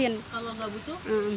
kalau nggak butuh